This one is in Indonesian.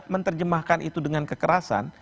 menerjemahkan itu dengan kekerasan